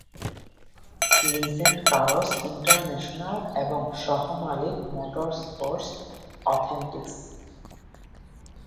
Legends Cars International, এবং সহ-মালিক Motorsports অথেন্টিকস।